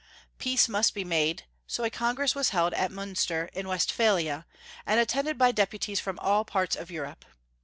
Peace must be made; so a congress was held at Miinster in Westphalia, and attended by deputies from all parts of Europe.